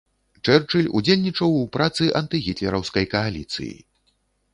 Чэрчыль удзельнічаў у працы антыгітлераўскай кааліцыі.